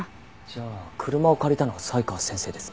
じゃあ車を借りたのは才川先生ですね。